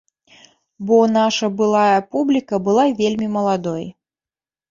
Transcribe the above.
Бо наша былая публіка была вельмі маладой.